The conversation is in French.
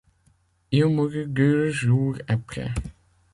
Il mourut deux jours après.